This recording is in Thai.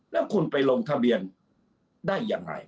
แล้วคุณไปลงทะเบียนได้ยังไง